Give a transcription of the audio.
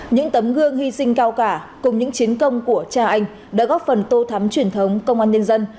những tấm gương hy sinh cao cả cùng những chiến công của cha anh đã góp phần tô thắm truyền thống công an nhân dân